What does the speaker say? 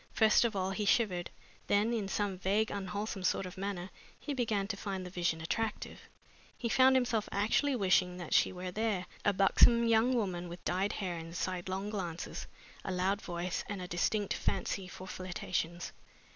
First of all he shivered. Then in some vague, unwholesome sort of manner he began to find the vision attractive. He found himself actually wishing that she were there a buxom young woman with dyed hair and sidelong glances, a loud voice, and a distinct fancy for flirtations.